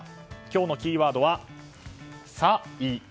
今日のキーワードはサイン